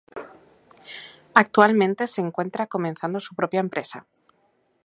Actualmente se encuentra comenzando su propia empresa.